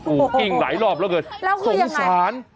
กิ้งหลายรอบแล้วเกินสงสาร